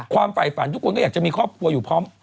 ฝ่ายฝันทุกคนก็อยากจะมีครอบครัวอยู่พร้อม